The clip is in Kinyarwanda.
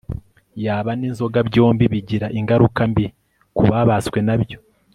yaba ninzoga byombi bigira ingaruka mbi ku babaswe nabyo